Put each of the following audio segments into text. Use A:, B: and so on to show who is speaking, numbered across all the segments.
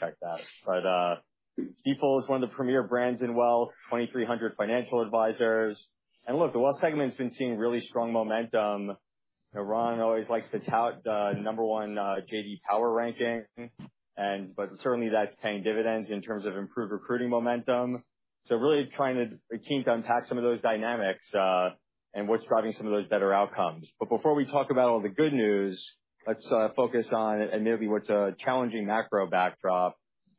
A: Check that. But, Stifel is one of the premier brands in wealth, 2,300 financial advisors. And look, the wealth segment's been seeing really strong momentum. You know, Ron always likes to tout the number one, J.D. Power ranking, and but certainly that's paying dividends in terms of improved recruiting momentum. So we're really trying to, we're keen to unpack some of those dynamics, and what's driving some of those better outcomes. But before we talk about all the good news, let's focus on and maybe what's a challenging macro backdrop.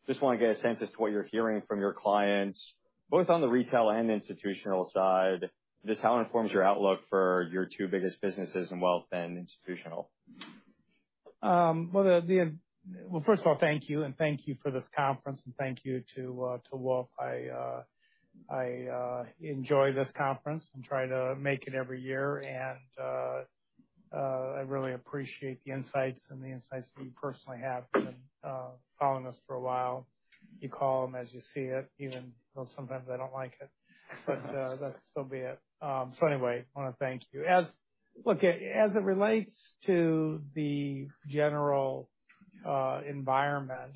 A: Just want to get a sense as to what you're hearing from your clients, both on the retail and institutional side, just how it informs your outlook for your two biggest businesses in wealth and institutional.
B: Well, first of all, thank you, and thank you for this conference, and thank you to Wolfe. I enjoy this conference and try to make it every year. I really appreciate the insights and the insights that you personally have been following us for a while. You call them as you see it, even though sometimes I don't like it, but that so be it. So anyway, I want to thank you. Look, as it relates to the general environment,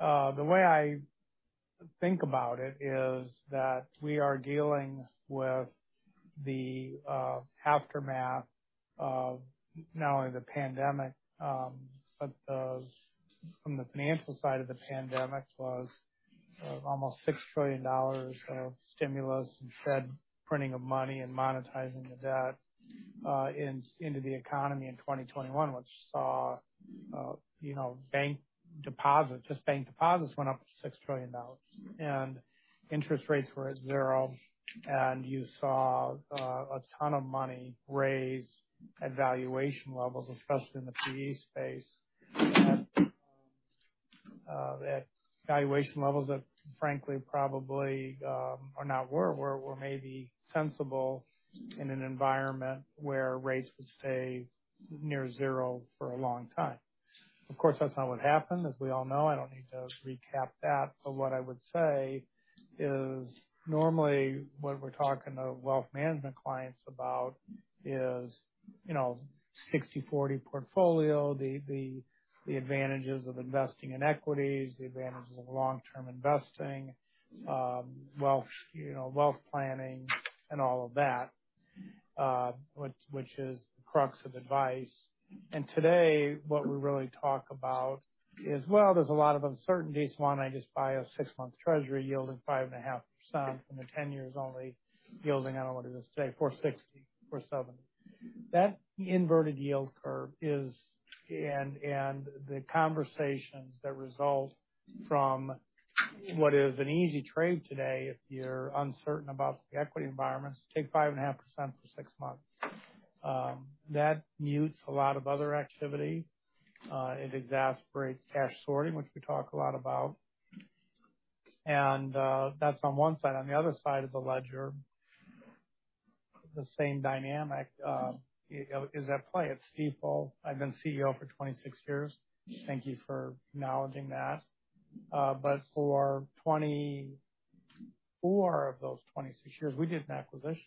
B: the way I think about it is that we are dealing with the aftermath of not only the pandemic, but the from the financial side of the pandemic was almost $6 trillion of stimulus and Fed printing of money and monetizing the debt into the economy in 2021, which saw, you know, bank deposits, just bank deposits went up $6 trillion, and interest rates were at 0. And you saw a ton of money raise at valuation levels, especially in the PE space. The valuation levels that frankly, probably, are not were maybe sensible in an environment where rates would stay near 0 for a long time. Of course, that's not what happened. As we all know, I don't need to recap that. But what I would say is normally, what we're talking to wealth management clients about is, you know, 60/40 portfolio, the advantages of investing in equities, the advantages of long-term investing, wealth, you know, wealth planning and all of that, which is the crux of advice. And today, what we really talk about is, well, there's a lot of uncertainties. One, I just buy a six-month treasury yielding 5.5%, and the 10-year is only yielding, I don't know what it is, today, 4.60, 4.70. That inverted yield curve is, and the conversations that result from what is an easy trade today, if you're uncertain about the equity environments, take 5.5% for six months. That mutes a lot of other activity. It exacerbates cash sorting, which we talk a lot about, and that's on one side. On the other side of the ledger, the same dynamic is at play at Stifel. I've been CEO for 26 years. Thank you for acknowledging that. But for 24 of those 26 years, we did an acquisition,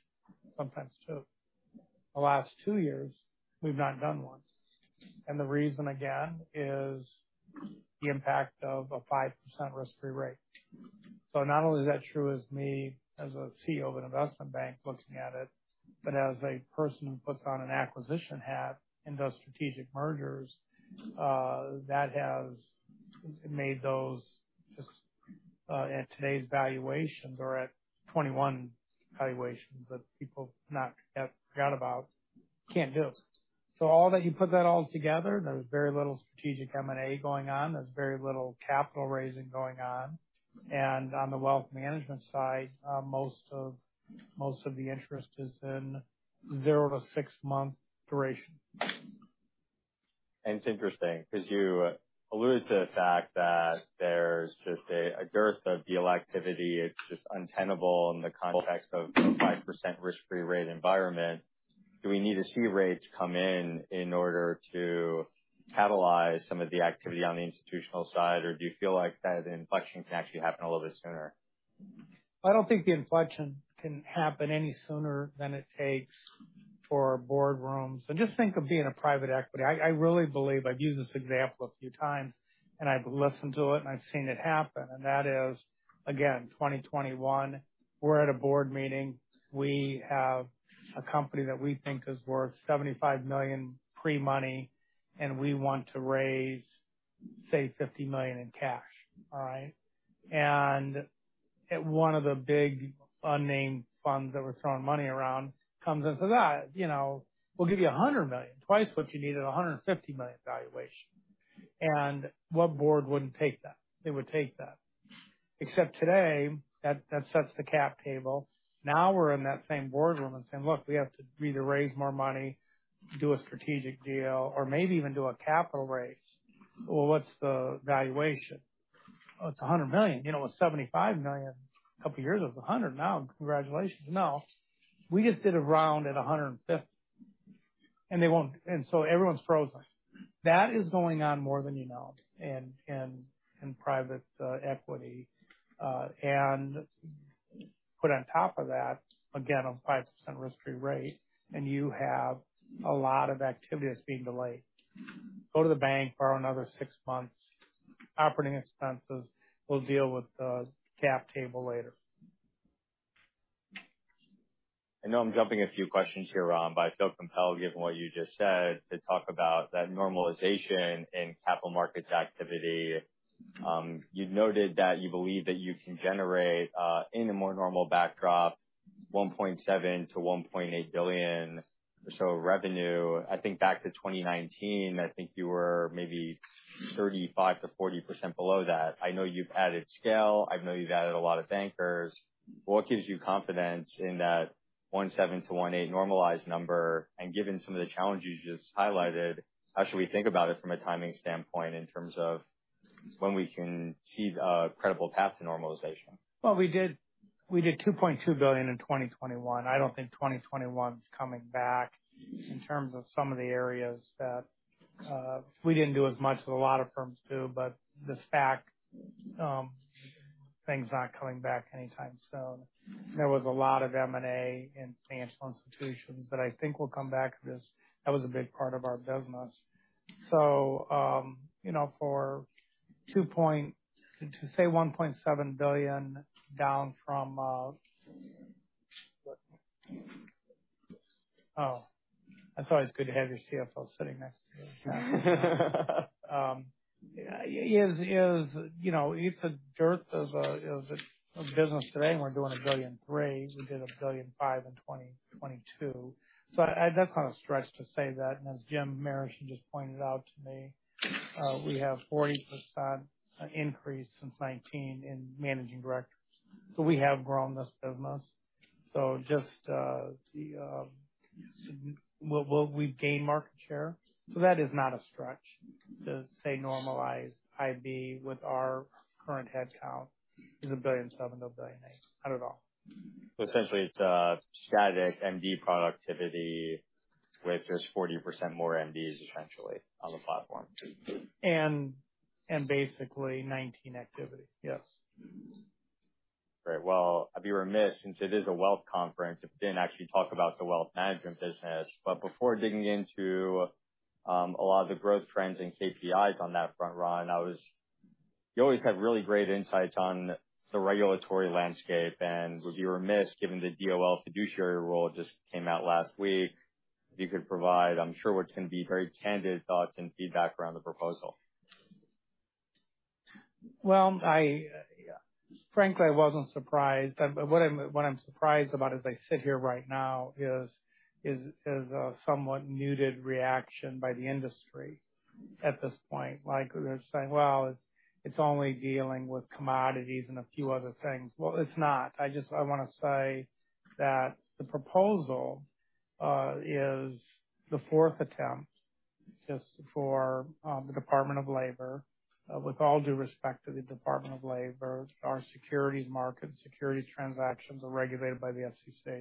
B: sometimes two. The last two years, we've not done one. And the reason, again, is the impact of a 5% risk-free rate. So not only is that true as me as a CEO of an investment bank looking at it, but as a person who puts on an acquisition hat and does strategic mergers, that has made those just at today's valuations or at 21 valuations that people not have forgot about, can't do. So all that, you put that all together, there's very little strategic M&A going on. There's very little capital raising going on, and on the wealth management side, most of the interest is in zero to six months duration.
A: It's interesting because you alluded to the fact that there's just a girth of deal activity. It's just untenable in the context of a 5% risk-free rate environment. Do we need to see rates come in order to catalyze some of the activity on the institutional side, or do you feel like that inflection can actually happen a little bit sooner?
B: I don't think the inflection can happen any sooner than it takes for boardrooms. So just think of being a private equity. I, I really believe I've used this example a few times, and I've listened to it, and I've seen it happen. And that is, again, 2021, we're at a board meeting. We have a company that we think is worth $75 million pre-money, and we want to raise, say, $50 million in cash. All right? And at one of the big unnamed funds that were throwing money around comes and says, "Ah, you know, we'll give you $100 million, twice what you need, at a $150 million valuation." And what board wouldn't take that? They would take that. Except today, that, that sets the cap table. Now, we're in that same boardroom and saying, "Look, we have to either raise more money, do a strategic deal, or maybe even do a capital raise." "Well, what's the valuation?" "It's $100 million. You know, it was $75 million a couple of years. It was $100 million. Now, congratulations." "No, we just did a round at $150 million," and they won't. And so everyone's frozen. That is going on more than you know, in private equity, and put on top of that, again, a 5% risk-free rate, and you have a lot of activities being delayed. Go to the bank, borrow another six months' operating expenses. We'll deal with the cap table later.
A: I know I'm jumping a few questions here, Ron, but I feel compelled, given what you just said, to talk about that normalization in capital markets activity. You've noted that you believe that you can generate, in a more normal backdrop, $1.7 billion-$1.8 billion or so of revenue. I think back to 2019, I think you were maybe 35%-40% below that. I know you've added scale. I know you've added a lot of bankers. What gives you confidence in that $1.7-$1.8 billion normalized number? And given some of the challenges you just highlighted, how should we think about it from a timing standpoint in terms of when we can see, credible path to normalization?
B: Well, we did $2.2 billion in 2021. I don't think 2021 is coming back in terms of some of the areas that we didn't do as much as a lot of firms do. But the SPAC thing's not coming back anytime soon. There was a lot of M&A in financial institutions that I think will come back to this. That was a big part of our business. So, you know, to say $1.7 billion down from... Oh, it's always good to have your CFO sitting next to you. Yeah, you know, it's a dearth of business today. We're doing $1.3 billion. We did $1.5 billion in 2022. So that's not a stretch to say that. And as Jim Marischen just pointed out to me, we have 40% increase since 2019 in managing directors. So we have grown this business. So just, the, well, we've gained market share. So that is not a stretch to say normalized IB, with our current headcount, is $1.7 billion-$1.8 billion. Not at all.
A: Essentially, it's a static MD productivity, with just 40% more MDs essentially on the platform.
B: Basically 19 activity. Yes.
A: Great. Well, I'd be remiss, since it is a wealth conference, if we didn't actually talk about the wealth management business. But before digging into a lot of the growth trends and KPIs on that front, Ron, you always have really great insights on the regulatory landscape. And would you be remiss, given the DOL fiduciary rule just came out last week, if you could provide, I'm sure what's going to be very candid thoughts and feedback around the proposal.
B: Well, I, frankly, I wasn't surprised. But what I'm, what I'm surprised about as I sit here right now is, is, is a somewhat muted reaction by the industry at this point. Like they're saying, "Well, it's, it's only dealing with commodities and a few other things." Well, it's not. I just, I want to say that the proposal is the fourth attempt just for the Department of Labor. With all due respect to the Department of Labor, our securities markets, securities transactions are regulated by the SEC.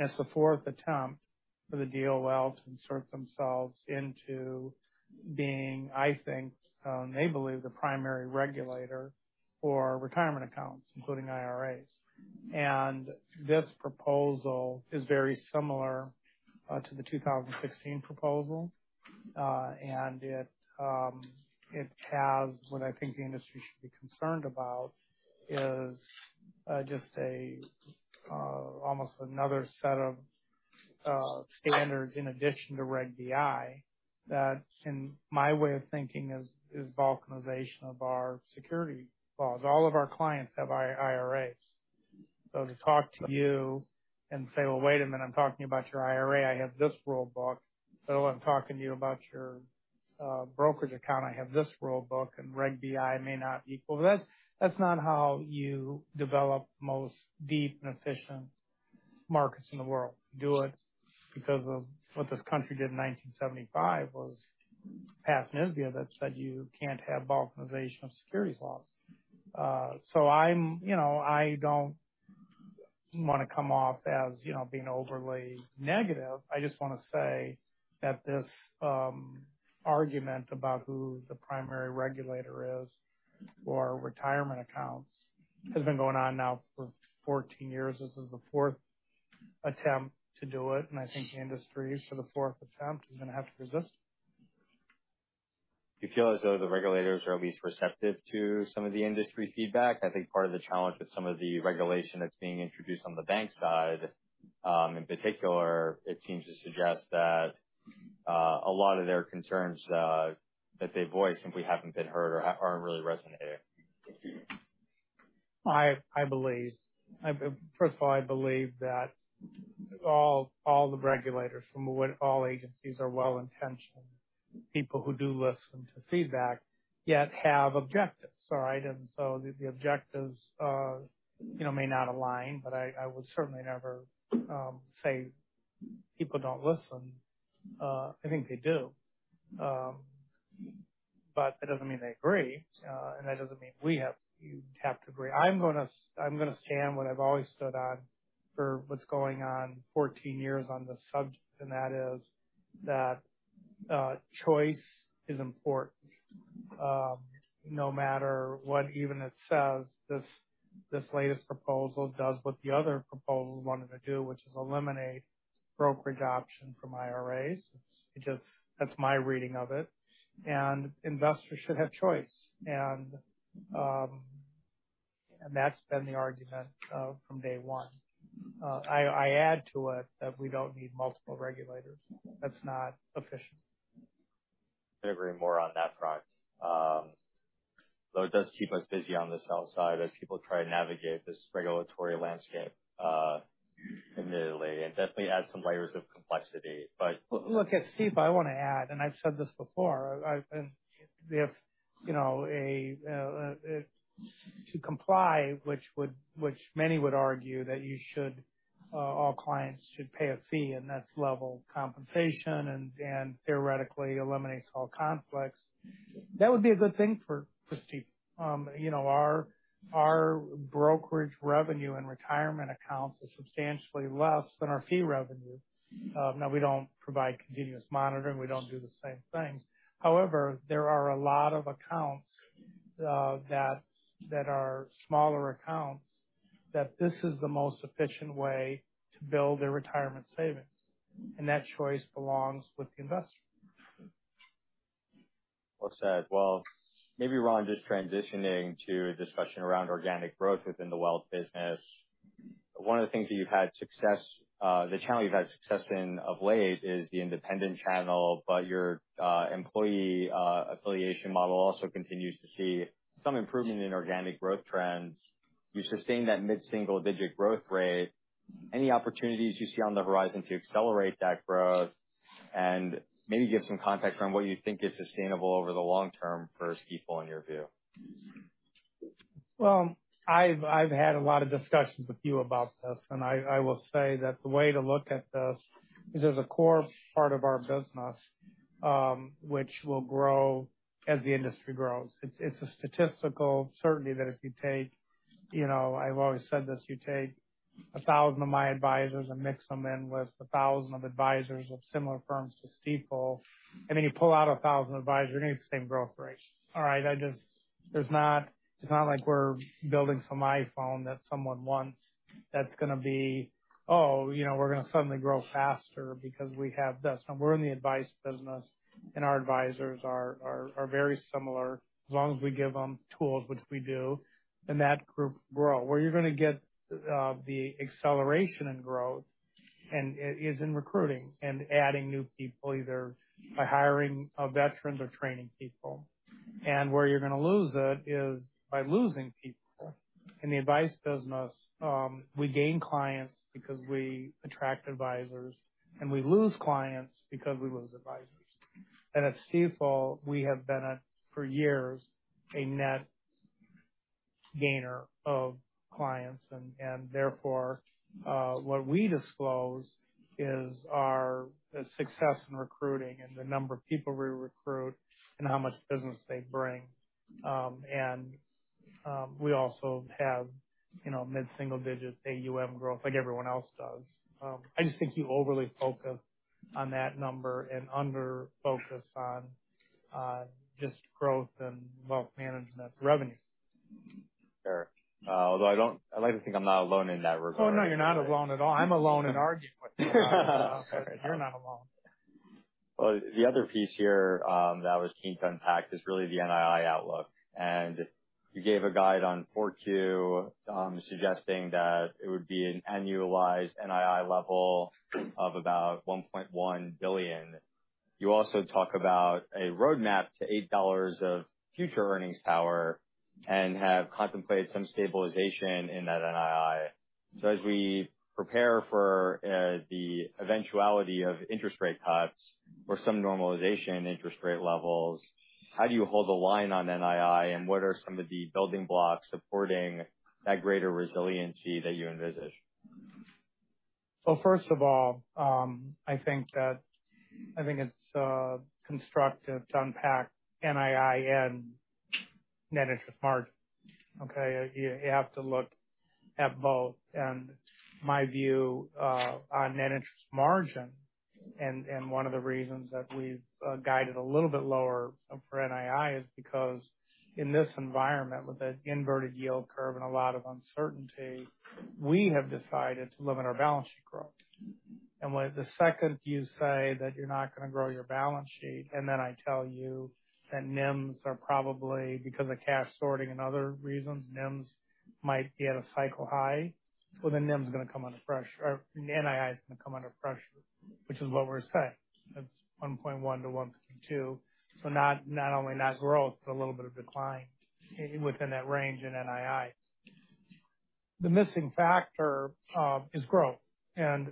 B: It's the fourth attempt for the DOL to insert themselves into being, I think, they believe, the primary regulator for retirement accounts, including IRAs. And this proposal is very similar to the 2016 proposal. And it has what I think the industry should be concerned about is just a almost another set of standards in addition to Reg BI. That, in my way of thinking, is balkanization of our securities laws. All of our clients have IRAs. So to talk to you and say, "Well, wait a minute, I'm talking about your IRA, I have this rule book. So I'm talking to you about your brokerage account, I have this rule book, and Reg BI may not be equal." That's not how you develop the most deep and efficient markets in the world. Do it because of what this country did in 1975, was pass NSMIA, that said, you can't have balkanization of securities laws. So I'm, you know, I don't want to come off as, you know, being overly negative. I just want to say that this argument about who the primary regulator is for retirement accounts has been going on now for 14 years. This is the fourth attempt to do it, and I think the industry, for the fourth attempt, is going to have to resist.
A: Do you feel as though the regulators are at least receptive to some of the industry feedback? I think part of the challenge with some of the regulation that's being introduced on the bank side, in particular, it seems to suggest that a lot of their concerns that they voice simply haven't been heard or aren't really resonating.
B: I believe... First of all, I believe that all the regulators, from what all agencies are well-intentioned, people who do listen to feedback, yet have objectives, all right. And so the objectives, you know, may not align, but I would certainly never say people don't listen. I think they do. But that doesn't mean they agree, and that doesn't mean we have—you have to agree. I'm gonna stand what I've always stood on for what's going on 14 years on this subject, and that is that choice is important.... No matter what even it says, this latest proposal does what the other proposal wanted to do, which is eliminate brokerage option from IRAs. It just—that's my reading of it, and investors should have choice. And that's been the argument from day one. I add to it that we don't need multiple regulators. That's not efficient.
A: I couldn't agree more on that front. Though it does keep us busy on the sell side as people try to navigate this regulatory landscape, immediately, and definitely adds some layers of complexity, but-
B: Look at Steve, I want to add, and I've said this before, I've, and we have, you know, a to comply, which would, which many would argue that you should, all clients should pay a fee, and that's level compensation and, and theoretically eliminates all conflicts. That would be a good thing for, for Stifel. You know, our, our brokerage revenue and retirement accounts are substantially less than our fee revenue. Now, we don't provide continuous monitoring. We don't do the same things. However, there are a lot of accounts that are smaller accounts that this is the most efficient way to build their retirement savings, and that choice belongs with the investor.
A: Well said. Well, maybe, Ron, just transitioning to a discussion around organic growth within the wealth business. One of the things that you've had success, the channel you've had success in of late is the independent channel, but your, employee, affiliation model also continues to see some improvement in organic growth trends. You've sustained that mid-single-digit growth rate. Any opportunities you see on the horizon to accelerate that growth and maybe give some context on what you think is sustainable over the long term for Stifel, in your view?
B: Well, I've, I've had a lot of discussions with you about this, and I, I will say that the way to look at this is there's a core part of our business, which will grow as the industry grows. It's, it's a statistical certainty that if you take, you know, I've always said this, you take a thousand of my advisors and mix them in with a thousand of advisors of similar firms to Stifel, and then you pull out a thousand advisors, you're going to get the same growth rate. All right? I just, it's not, it's not like we're building some iPhone that someone wants, that's going to be, oh, you know, we're going to suddenly grow faster because we have this. Now we're in the advice business, and our advisors are very similar as long as we give them tools, which we do, and that group grow. Where you're going to get the acceleration in growth and is in recruiting and adding new people, either by hiring a veteran or training people. And where you're going to lose it is by losing people. In the advice business, we gain clients because we attract advisors, and we lose clients because we lose advisors. And at Stifel, we have been, for years, a net gainer of clients, and therefore, what we disclose is our success in recruiting and the number of people we recruit and how much business they bring. And we also have, you know, mid-single digits AUM growth like everyone else does. I just think you overly focus on that number and under focus on just growth and wealth management revenue.
A: Sure. Although I don't... I like to think I'm not alone in that regard.
B: Oh, no, you're not alone at all. I'm alone in arguing with you. You're not alone.
A: Well, the other piece here, that I was keen to unpack is really the NII outlook. You gave a guide on 4Q, suggesting that it would be an annualized NII level of about $1.1 billion. You also talk about a roadmap to $8 of future earnings power and have contemplated some stabilization in that NII. As we prepare for the eventuality of interest rate cuts or some normalization in interest rate levels, how do you hold the line on NII, and what are some of the building blocks supporting that greater resiliency that you envisage?
B: So first of all, I think it's constructive to unpack NII and net interest margin. Okay? You have to look at both. And my view on net interest margin, and one of the reasons that we've guided a little bit lower for NII is because in this environment, with an inverted yield curve and a lot of uncertainty, we have decided to limit our balance sheet growth. And the second you say that you're not going to grow your balance sheet, and then I tell you that NIMs are probably because of cash sorting and other reasons, NIMs might be at a cycle high, well, then NIM is going to come under pressure, or NII is going to come under pressure, which is what we're saying. It's 1.1-1.2. So not only not growth, but a little bit of decline within that range in NII. The missing factor is growth. And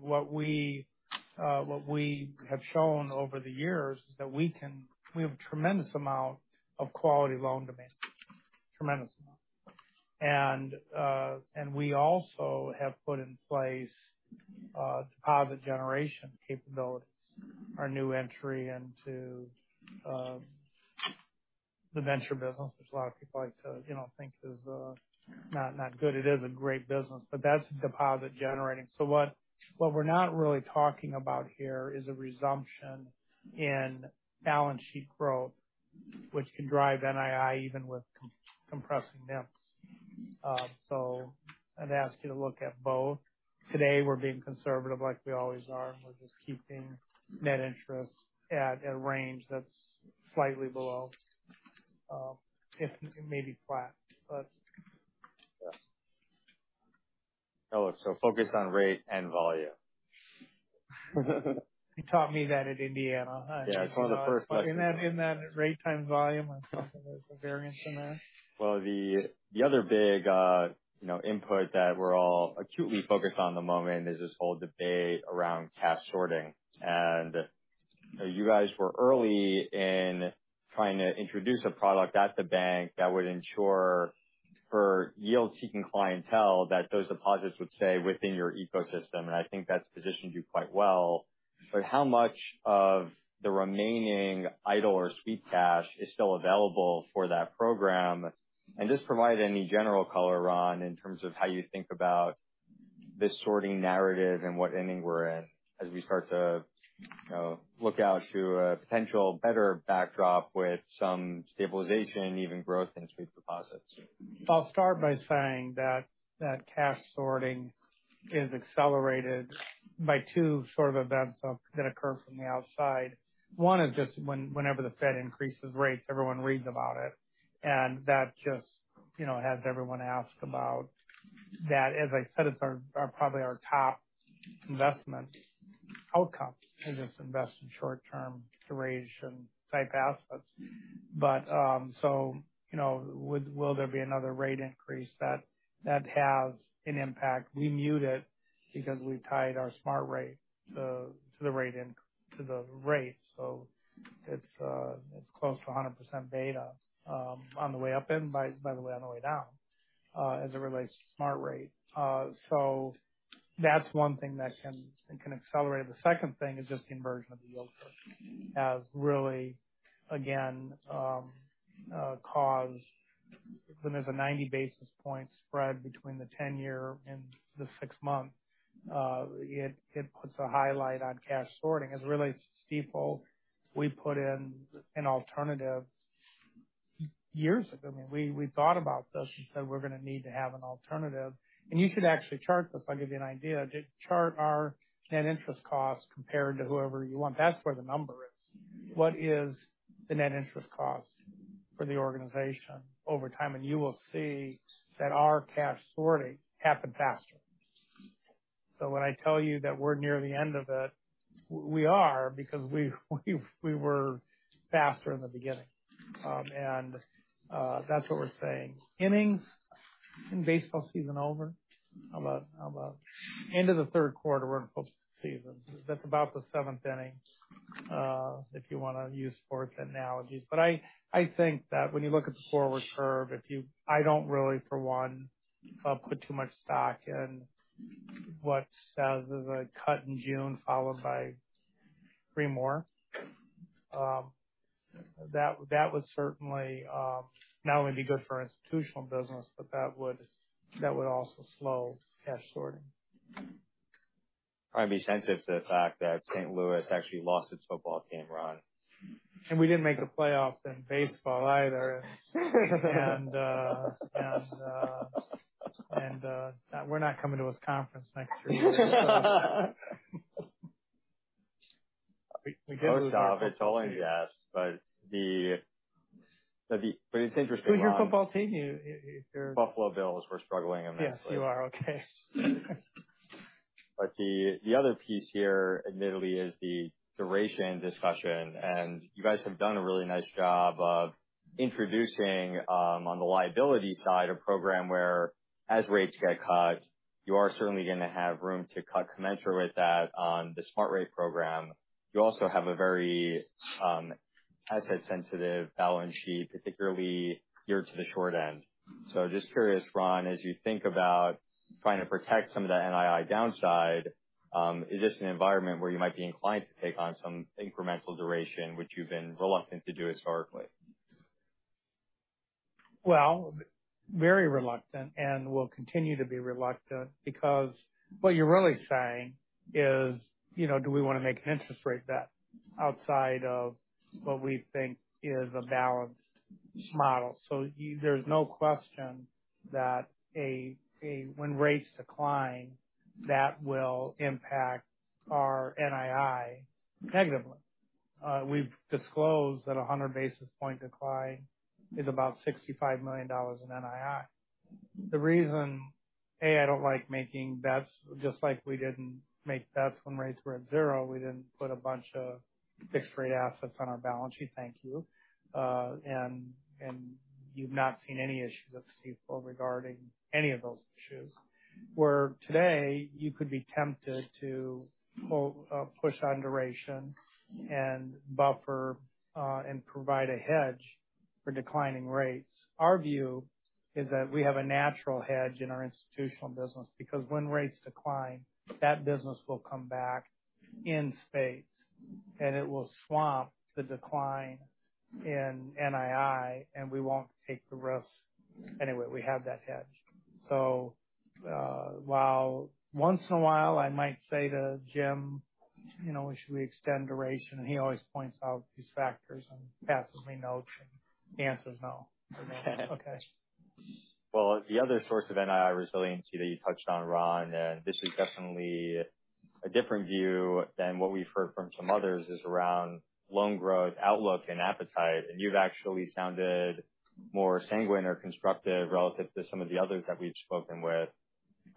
B: what we have shown over the years is that we have a tremendous amount of quality loan demand, tremendous amount. And we also have put in place deposit generation capabilities, our new entry into the venture business, which a lot of people like to, you know, think is not good. It is a great business, but that's deposit generating. So what we're not really talking about here is a resumption in balance sheet growth, which can drive NII even with compressing NIMs. So I'd ask you to look at both. Today, we're being conservative, like we always are, and we're just keeping net interest at a range that's slightly below, if it may be flat, but, yes.
A: Oh, so focus on rate and volume.
B: You taught me that at Indiana.
A: Yeah, it's one of the first-
B: But in that, in that rate times volume, I'm sure there's a variance in that.
A: Well, the other big, you know, input that we're all acutely focused at the moment is this whole debate around cash sorting. And you guys were early in trying to introduce a product at the bank that would ensure for yield-seeking clientele that those deposits would stay within your ecosystem, and I think that's positioned you quite well. But how much of the remaining idle or sweep cash is still available for that program? And just provide any general color, Ron, in terms of how you think about this cash sorting narrative and what inning we're in as we start to, you know, look out to a potential better backdrop with some stabilization, even growth in sweep deposits.
B: I'll start by saying that cash sorting is accelerated by two sort of events that occur from the outside. One is just whenever the Fed increases rates, everyone reads about it, and that just, you know, has everyone ask about that. As I said, it's our probably our top investment outcome to just invest in short-term duration type assets. But so, you know, will there be another rate increase? That has an impact. We mute it because we tied our Smart Rate to the rate. So it's close to 100% beta on the way up and by the way, on the way down as it relates to Smart Rate. So that's one thing that can accelerate. The second thing is just the inversion of the yield curve has really, again, caused. When there's a 90 basis point spread between the 10-year and the six-month, it puts a highlight on cash sorting. As it relates to Stifel, we put in an alternative years ago. I mean, we thought about this and said, we're going to need to have an alternative. And you should actually chart this. I'll give you an idea. Just chart our net interest costs compared to whoever you want. That's where the number is. What is the net interest cost for the organization over time? And you will see that our cash sorting happened faster. So when I tell you that we're near the end of it, we are, because we were faster in the beginning. And that's what we're saying. Innings? Isn't baseball season over? How about end of the Q3, we're in football season. That's about the seventh inning, if you want to use sports analogies. But I think that when you look at the forward curve, if you, I don't really, for one, put too much stock in what says there's a cut in June, followed by three more. That would certainly not only be good for institutional business, but that would also slow cash sorting.
A: Probably be sensitive to the fact that St. Louis actually lost its football game, Ron.
B: And we didn't make the playoffs in baseball either. And we're not coming to this conference next year.
A: Most of it's all I need to ask, but it's interesting, Ron.
B: Who's your football team?
A: Buffalo Bills. We're struggling immensely.
B: Yes, you are. Okay.
A: But the other piece here, admittedly, is the duration discussion, and you guys have done a really nice job of introducing on the liability side, a program where as rates get cut, you are certainly going to have room to cut commensurate with that on the Smart Rate program. You also have a very asset-sensitive balance sheet, particularly geared to the short end. So just curious, Ron, as you think about trying to protect some of that NII downside, is this an environment where you might be inclined to take on some incremental duration, which you've been reluctant to do historically?
B: Well, very reluctant and will continue to be reluctant, because what you're really saying is, you know, do we want to make an interest rate bet outside of what we think is a balanced model? So there's no question that when rates decline, that will impact our NII negatively. We've disclosed that a 100 basis point decline is about $65 million in NII. The reason, I don't like making bets, just like we didn't make bets when rates were at zero. We didn't put a bunch of fixed rate assets on our balance sheet. Thank you. And you've not seen any issues at Stifel regarding any of those issues. Where today, you could be tempted to pull, push on duration and buffer, and provide a hedge for declining rates. Our view is that we have a natural hedge in our institutional business, because when rates decline, that business will come back... in spades, and it will swamp the decline in NII, and we won't take the risk anyway. We have that hedged. So, while once in a while, I might say to Jim, "You know, should we extend duration?" And he always points out these factors and passes me notes, and the answer is no. Okay.
A: Well, the other source of NII resiliency that you touched on, Ron, and this is definitely a different view than what we've heard from some others, is around loan growth, outlook, and appetite. You've actually sounded more sanguine or constructive relative to some of the others that we've spoken with.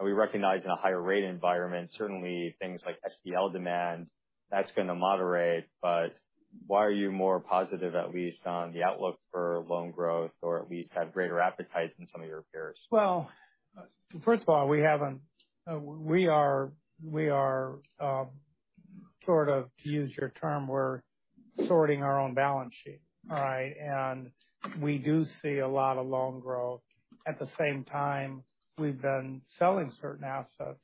A: We recognize in a higher rate environment, certainly things like SPL demand, that's going to moderate. But why are you more positive, at least on the outlook for loan growth, or at least have greater appetite than some of your peers?
B: Well, first of all, we haven't, we are sort of, to use your term, we're sorting our own balance sheet. All right? And we do see a lot of loan growth. At the same time, we've been selling certain assets,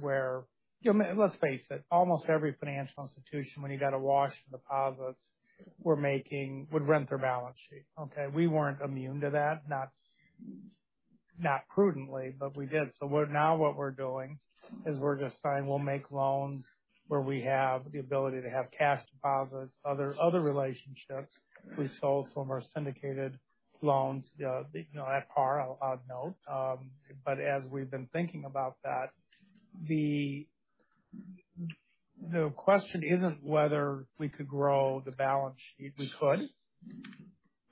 B: where—You know, let's face it, almost every financial institution, when you got a wash of deposits, were making would rent their balance sheet. Okay? We weren't immune to that, not prudently, but we did. So what—now what we're doing is we're just saying we'll make loans where we have the ability to have cash deposits, other relationships. We sold some of our syndicated loans, you know, at par, I'll add note. But as we've been thinking about that, the question isn't whether we could grow the balance sheet. We could.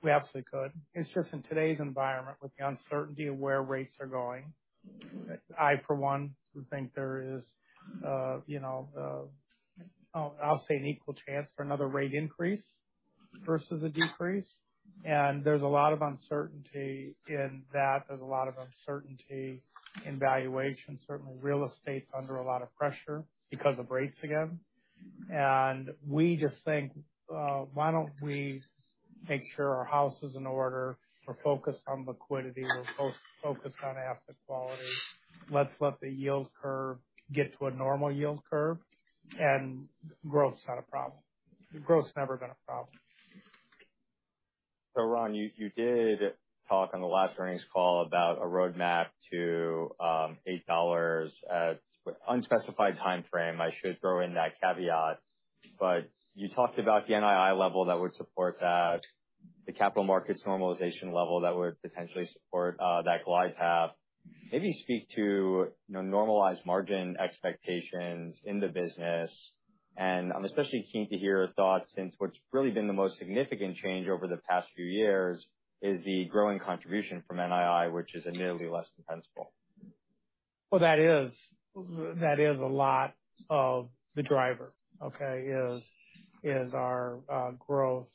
B: We absolutely could. It's just in today's environment, with the uncertainty of where rates are going. I, for one, would think there is, you know, I'll say, an equal chance for another rate increase versus a decrease. And there's a lot of uncertainty in that. There's a lot of uncertainty in valuation. Certainly, real estate's under a lot of pressure because of rates again. And we just think, why don't we make sure our house is in order? We're focused on liquidity. We're focused on asset quality. Let's let the yield curve get to a normal yield curve, and growth's not a problem. Growth's never been a problem.
A: So, Ron, you did talk on the last earnings call about a roadmap to $8 at unspecified timeframe. I should throw in that caveat. But you talked about the NII level that would support that, the capital markets normalization level that would potentially support that glide path. Maybe speak to, you know, normalized margin expectations in the business. And I'm especially keen to hear your thoughts, since what's really been the most significant change over the past few years is the growing contribution from NII, which is a nearly less compensable.
B: Well, that is a lot of the driver, okay? Is our growth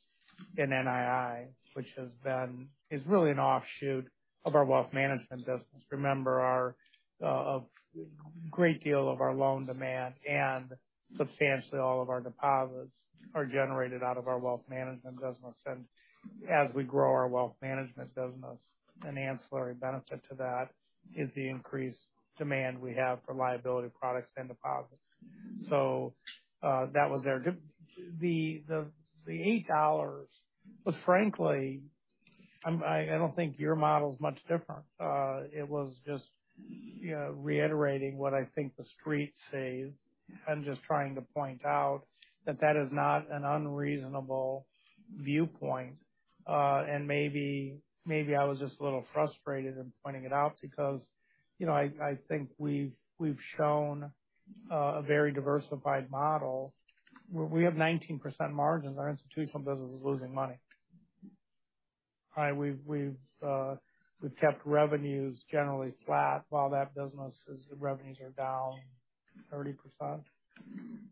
B: in NII, which has been... is really an offshoot of our wealth management business. Remember, our a great deal of our loan demand and substantially all of our deposits are generated out of our wealth management business. And as we grow our wealth management business, an ancillary benefit to that is the increased demand we have for liability products and deposits. So, that was there. The $8, but frankly, I don't think your model is much different. It was just, you know, reiterating what I think the Street says, and just trying to point out that that is not an unreasonable viewpoint. And maybe, maybe I was just a little frustrated in pointing it out because, you know, I think we've shown a very diversified model, where we have 19% margins. Our institutional business is losing money. We've kept revenues generally flat while that business' revenues are down 30%.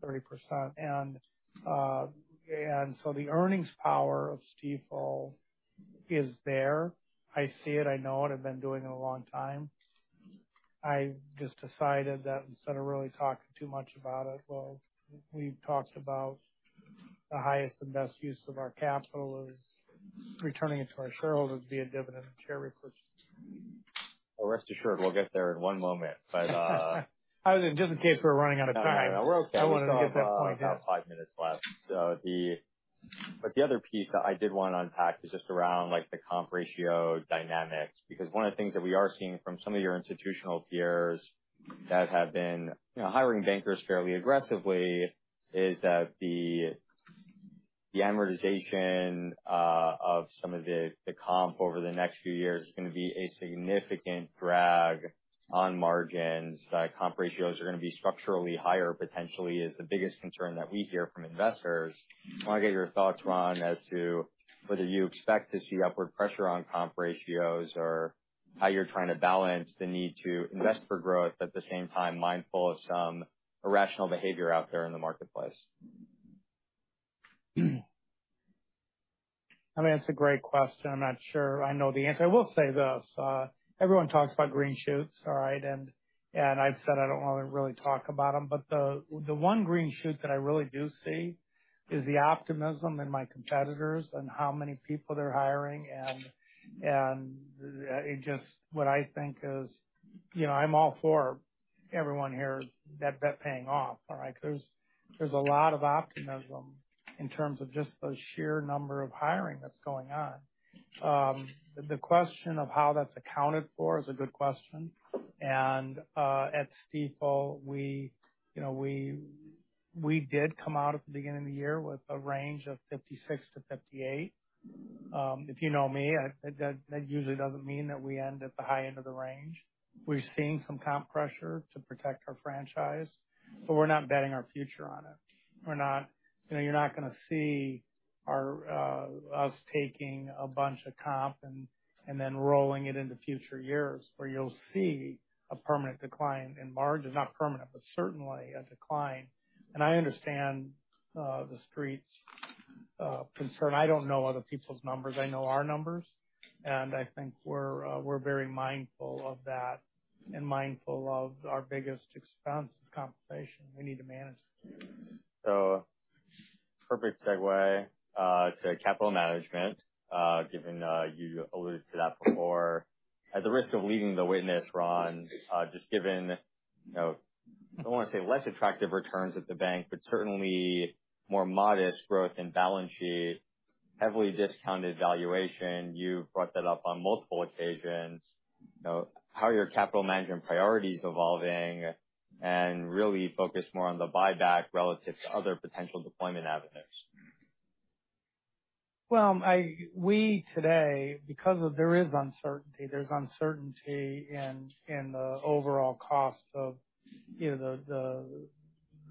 B: 30%. And so the earnings power of Stifel is there. I see it, I know it, I've been doing it a long time. I just decided that instead of really talking too much about it, well, we talked about the highest and best use of our capital is returning it to our shareholders via dividend and share repurchase.
A: Well, rest assured, we'll get there in one moment. But,
B: Just in case we're running out of time.
A: No, no, we're okay.
B: I wanted to get that point out.
A: We've got five minutes left. But the other piece that I did want to unpack is just around, like, the comp ratio dynamics. Because one of the things that we are seeing from some of your institutional peers that have been, you know, hiring bankers fairly aggressively, is that the amortization of some of the comp over the next few years is going to be a significant drag on margins. Comp ratios are going to be structurally higher, potentially, is the biggest concern that we hear from investors. I want to get your thoughts, Ron, as to whether you expect to see upward pressure on comp ratios, or how you're trying to balance the need to invest for growth, at the same time, mindful of some irrational behavior out there in the marketplace.
B: I mean, that's a great question. I'm not sure I know the answer. I will say this, everyone talks about green shoots, all right? And I've said I don't want to really talk about them, but the one green shoot that I really do see is the optimism in my competitors and how many people they're hiring, and it just what I think is... You know, I'm all for everyone here, that bet paying off, all right? Because there's a lot of optimism in terms of just the sheer number of hiring that's going on. The question of how that's accounted for is a good question. And at Stifel, you know, we did come out at the beginning of the year with a range of 56-58. If you know me, that usually doesn't mean that we end at the high end of the range. We've seen some comp pressure to protect our franchise, but we're not betting our future on it. We're not—you know, you're not gonna see our us taking a bunch of comp and then rolling it into future years, where you'll see a permanent decline in margin, not permanent, but certainly a decline. And I understand the street's concern. I don't know other people's numbers. I know our numbers, and I think we're very mindful of that and mindful of our biggest expense is compensation. We need to manage.
A: So perfect segue to capital management, given you alluded to that before. At the risk of leading the witness, Ron, just given, you know, I don't want to say less attractive returns at the bank, but certainly more modest growth in balance sheet, heavily discounted valuation. You've brought that up on multiple occasions. You know, how are your capital management priorities evolving and really focused more on the buyback relative to other potential deployment avenues?
B: Well, we today, because of there is uncertainty, there's uncertainty in the overall cost of, you know,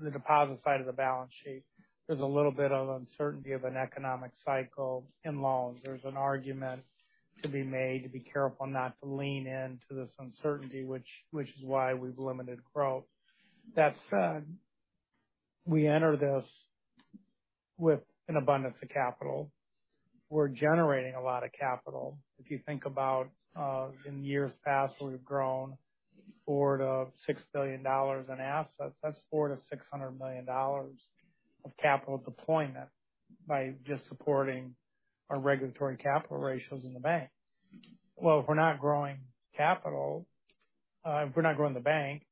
B: the deposit side of the balance sheet. There's a little bit of uncertainty of an economic cycle in loans. There's an argument to be made to be careful not to lean into this uncertainty, which is why we've limited growth. That said, we enter this with an abundance of capital. We're generating a lot of capital. If you think about, in years past, where we've grown $4 billion-$6 billion in assets, that's $400 million-$600 million of capital deployment by just supporting our regulatory capital ratios in the bank. Well, if we're not growing capital, if we're not growing the bank,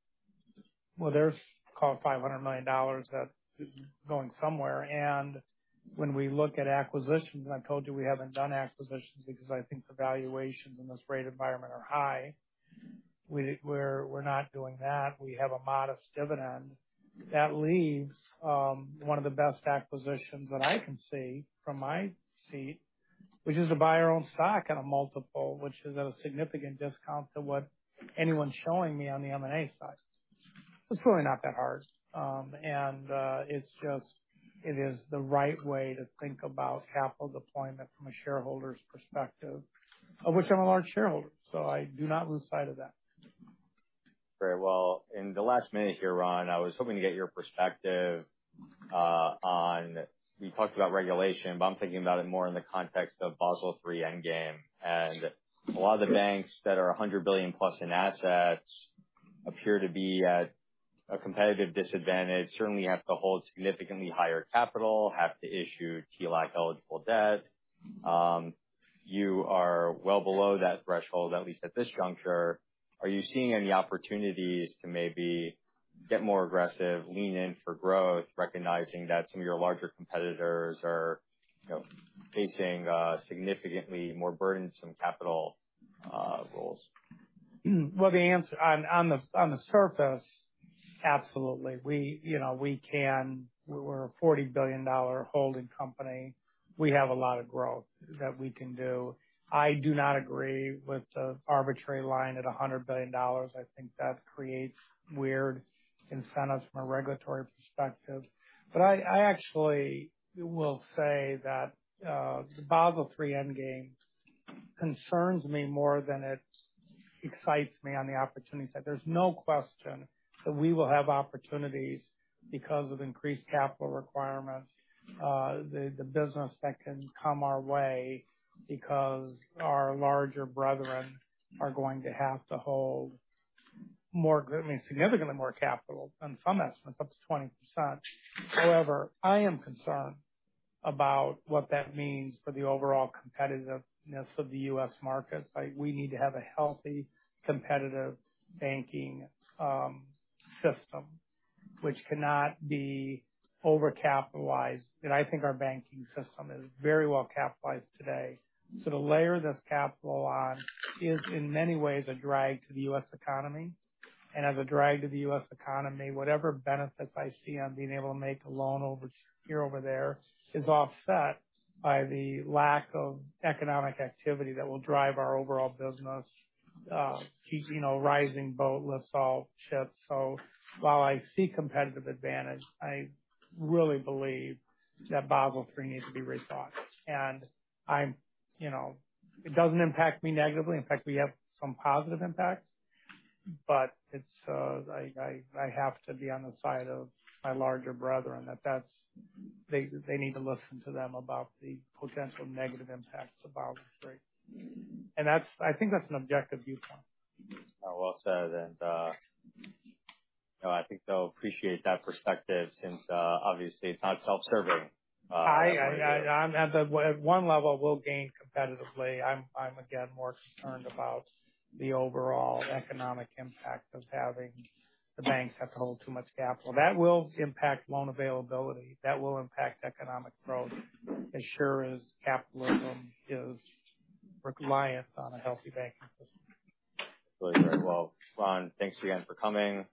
B: well, there's call it $500 million that is going somewhere. When we look at acquisitions, and I told you we haven't done acquisitions because I think the valuations in this rate environment are high. We're not doing that. We have a modest dividend. That leaves one of the best acquisitions that I can see from my seat, which is to buy our own stock at a multiple, which is at a significant discount to what anyone's showing me on the M&A side. It's really not that hard. It's just. It is the right way to think about capital deployment from a shareholder's perspective, of which I'm a large shareholder, so I do not lose sight of that.
A: Very well. In the last minute here, Ron, I was hoping to get your perspective on—you talked about regulation, but I'm thinking about it more in the context of Basel III Endgame. A lot of the banks that are 100 billion-plus in assets appear to be at a competitive disadvantage, certainly have to hold significantly higher capital, have to issue TLAC-eligible debt. You are well below that threshold, at least at this juncture. Are you seeing any opportunities to maybe get more aggressive, lean in for growth, recognizing that some of your larger competitors are, you know, facing significantly more burdensome capital rules?
B: Well, the answer on the surface, absolutely. We, you know, we can... We're a $40 billion holding company. We have a lot of growth that we can do. I do not agree with the arbitrary line at a $100 billion. I think that creates weird incentives from a regulatory perspective. But I actually will say that the Basel III Endgame concerns me more than it excites me on the opportunity set. There's no question that we will have opportunities because of increased capital requirements, the business that can come our way, because our larger brethren are going to have to hold more, I mean, significantly more capital than some estimates, up to 20%. However, I am concerned about what that means for the overall competitiveness of the U.S. markets. Like, we need to have a healthy, competitive banking system which cannot be overcapitalized. I think our banking system is very well capitalized today. To layer this capital on is in many ways a drag to the U.S. economy. As a drag to the U.S. economy, whatever benefits I see on being able to make a loan over here, over there, is offset by the lack of economic activity that will drive our overall business. Keeping a rising boat lifts all ships. While I see competitive advantage, I really believe that Basel III needs to be rethought. I'm, you know, it doesn't impact me negatively. In fact, we have some positive impacts, but it's, I have to be on the side of my larger brethren, that they need to listen to them about the potential negative impacts of Basel III. And that's. I think that's an objective viewpoint.
A: Well said. You know, I think they'll appreciate that perspective since obviously it's not self-serving.
B: At one level, we'll gain competitively. I'm again more concerned about the overall economic impact of having the banks have to hold too much capital. That will impact loan availability, that will impact economic growth, as sure as capitalism is reliant on a healthy banking system.
A: Very well. Ron, thanks again for coming.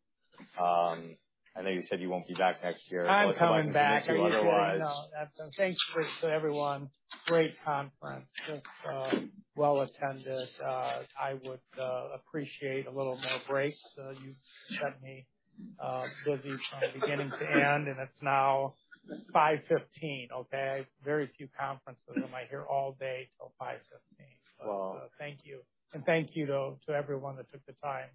A: I know you said you won't be back next year.
B: I'm coming back.
A: Otherwise.
B: No, thanks, to everyone. Great conference. Just, well attended. I would appreciate a little more break. So you've kept me busy from beginning to end, and it's now 5:15 P.M. Okay? Very few conferences am I here all day till 5:15 P.M.
A: Well-
B: Thank you. And thank you to everyone that took the time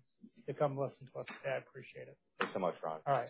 B: to come listen to us today. I appreciate it.
A: Thanks so much, Ron.
B: All right.